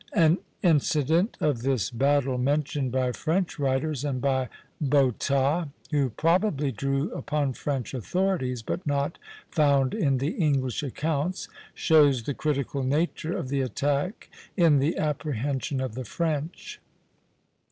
An incident of this battle mentioned by French writers and by Botta, who probably drew upon French authorities, but not found in the English accounts, shows the critical nature of the attack in the apprehension of the French.